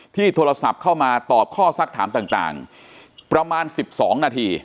โทรศัพท์เข้ามาตอบข้อสักถามต่างประมาณ๑๒นาที